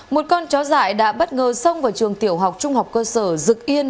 một con chó dại đã bất ngờ xông vào trường tiểu học trung học cơ sở dực yên